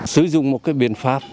sử dụng một cái biện pháp